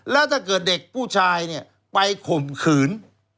แล้วถ้าเด็กผู้ชายไปข่มขืน